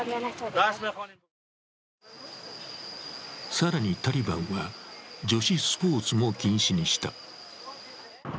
更に、タリバンは女子スポーツも禁止にした。